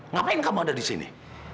ngapain kamu ada di sini